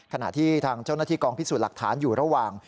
ขณะที่ทางเจ้าหน้าที่กองพิสูจน์หลักฐานอยู่ระหว่าง